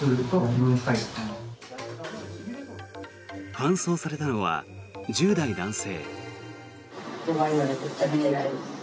搬送されたのは１０代男性。